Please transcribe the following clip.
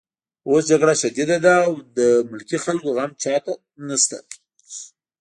اوس جګړه شدیده ده او د ملکي خلکو غم چاته نشته